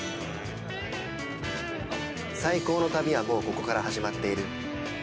「最高の旅はもうここから始まっている」